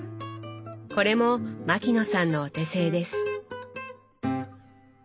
これも牧野さんのお手製です。